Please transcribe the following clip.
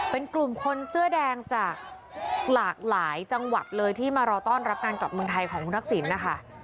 เป็นกลุ่มคนเสื้อแดงจากหลากหลายจังหวัดเลยที่มารอต้อนรับการกลับเมืองไทยของคุณทักษิณนะคะ